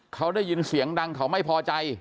เขาได้ยินเสียงดังเขาไม่พอใจ